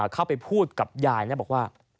เข้าไปพูดกับยายแล้วบอกว่า